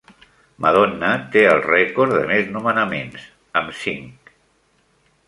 Madonna té el record de més nomenaments, amb cinc.